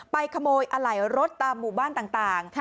ขโมยอะไหล่รถตามหมู่บ้านต่าง